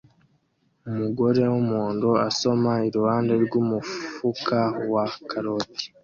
Umugore wumuhondo asoma iruhande rwumufuka wa karoti